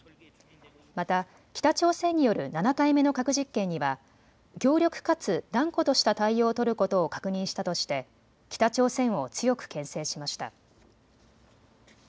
また北朝鮮による７回目の核実験には強力かつ断固とした対応を取ることを確認したとして北朝鮮を強くけん制しました。